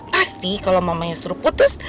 pasti kalau mamanya suruh putus